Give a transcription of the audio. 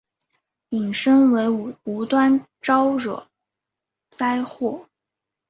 引申为无端招惹灾祸。